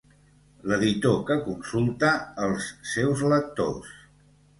L'editor que consulta els seus lectors.